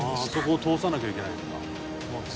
「あそこ通さなきゃいけないのか」